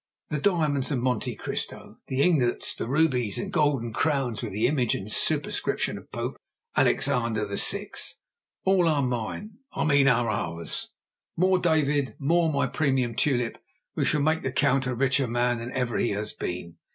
The diamonds of Monte Cristo, the ingots, the rubies, the golden crowns with the image and superscription of Pope Alexander VI.—all are mine: I mean are ours. More, David; more, my premium tulip: we shall make the Count a richer man than ever he has been.